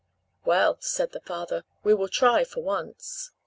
"Well," said the father, "we will try for once."